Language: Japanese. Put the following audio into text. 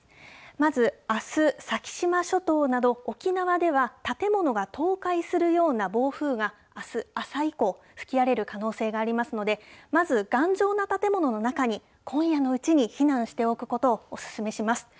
まず、あす先島諸島など沖縄では、建物が倒壊するような暴風があす朝以降、吹き荒れる可能性がありますので、まず、頑丈な建物の中に今夜のうちに避難しておくことをお勧めします。